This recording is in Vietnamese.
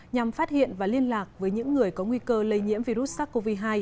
nhằm phát hiện và liên lạc với những người có nguy cơ lây nhiễm virus sars cov hai